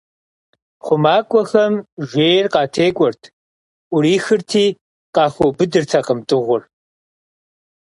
Хъумакӏуэхэм жейр къатекӀуэрт, Ӏурихырти, къахуэубыдыртэкъым дыгъур.